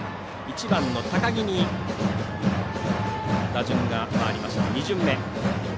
１番の高木に打順が回りました、２巡目。